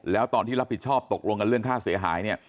แล้วตอนที่รับผิดชอบตกลงกันเรื่องค่าเสียหายเนี่ย